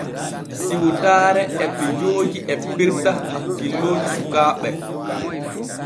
Siwtaare e pijoojo e pirta hakkilooji sukaaɓe.